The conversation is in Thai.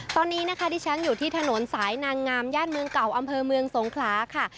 ตอนนี้นะคะที่ฉันอยู่ที่ถนนสายนางงามย่านเมืองเก่าอำเภอเมืองสงขลาค่ะ